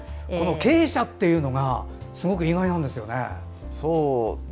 経営者というのがすごく意外なんですよね。